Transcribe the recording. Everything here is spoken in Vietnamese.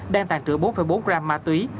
đang tàn trữ bốn bốn gram ma túy